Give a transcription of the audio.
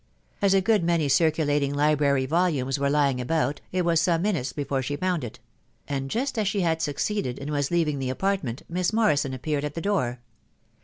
As a good many circulating li brary volumes were lying about, it was some minutes before she found it ; and just as she had succeeded, and was leaving the apartment, Miss Morrison appeared at the door.